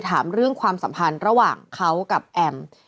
ถามเรื่องความสัมพันธ์ระหว่างเขากับแอม